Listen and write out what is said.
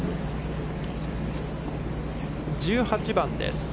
１８番です。